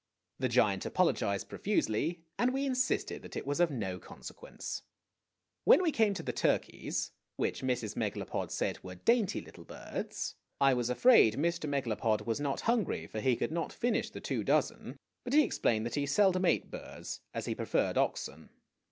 The giant apologized profusely, and we insisted that it was of no consequence. When we came to the turkeys (which Mrs. Megalopod said were dainty little birds), I was afraid Mr. Megalopod was not hun gry, for he could not finish the two dozen ; but he explained that he seldom ate birds, as he preferred oxen.